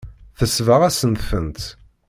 Tesbeɣ-asen-tent.